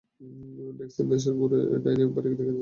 ডেক্সের নেশার ঘোরে ডাইনির বাড়ি দেখতে যাওয়া।